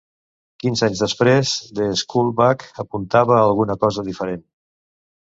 Quinze anys després, "The School Bag" apuntava a alguna cosa diferent.